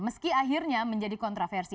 meski akhirnya menjadi kontroversi